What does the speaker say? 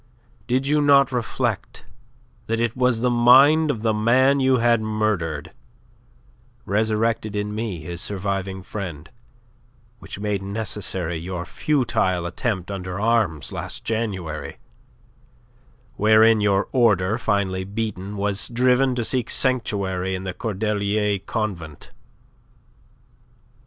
Did you not reflect that it was the mind of the man you had murdered, resurrected in me his surviving friend, which made necessary your futile attempt under arms last January, wherein your order, finally beaten, was driven to seek sanctuary in the Cordelier Convent?